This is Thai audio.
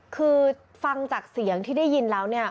คือฟังจากเสียงที่ได้ยินแล้วเนี่ย